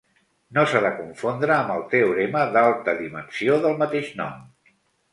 No s'ha de confondre amb el teorema d'alta dimensió del mateix nom.